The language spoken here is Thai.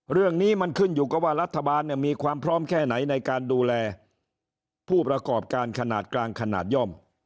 เรื่องนี้มันขึ้นอยู่กับว่ารัฐบาลมีความพร้อมแค่ไหนในการดูแลผู้ประกอบการขนาดกลางขนาดย่อม